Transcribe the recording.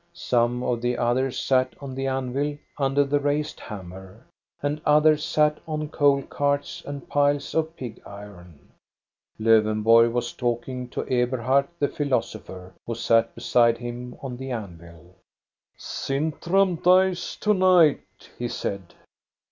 Some of the others sat on the anvil under the raised hammer, and others sat on coal carts and piles of pig iron. Lowenborg was talking to Eberhard, the philosopher, who sat beside him on the anvil. " Sintram dies to night, he said.